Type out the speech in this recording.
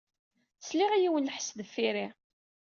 Sliɣ i yiwen n lḥess deffir-i.